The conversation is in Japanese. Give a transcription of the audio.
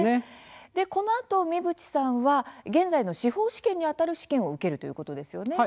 このあと三淵さんは現在の司法試験にあたる試験を受けるということですよね。